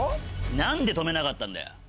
何で止めなかったんだよ？